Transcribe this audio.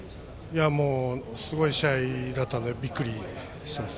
もう、すごい試合だったのでびっくりしてます。